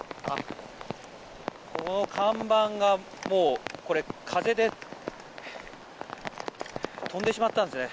看板が風で飛んでしまったんですね。